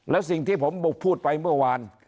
แล้วสิ่งที่ผมบุกพูดไปเมื่อวาน